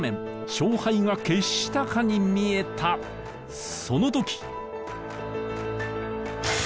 勝敗が決したかに見えたそのとき！